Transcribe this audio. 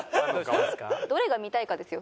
どれが見たいかですよ